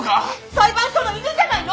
裁判所の犬じゃないの！